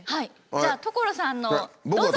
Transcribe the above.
じゃあ所さんのどうぞ！